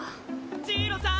・ジイロさん！